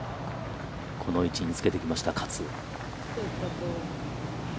この位置につけてきました、勝。